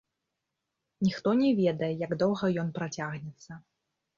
Ніхто не ведае, як доўга ён працягнецца.